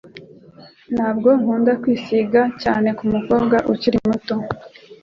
Ntabwo nkunda kwisiga cyane kumukobwa ukiri muto.